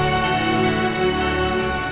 aku mau ke rumah